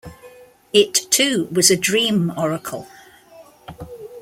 It too was a dream oracle.